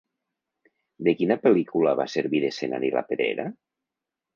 De quina pel·lícula va servir d'escenari La Pedrera?